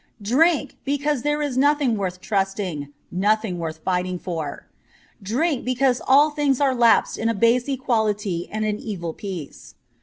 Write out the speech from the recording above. Drink, because there is nothing worth trusting, nothing worth fighting for. Drink, because all things are lapsed in a base equality and an evil peace.'